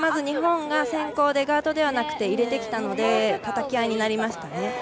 日本が先攻でガードではなくて入れてきたのでたたき合いになりましたね。